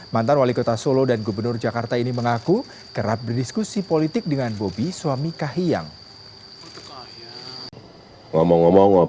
mantan wali kota solo dan gubernur jakarta ini mengaku kerap berdiskusi politik dengan bobi suami kahiyang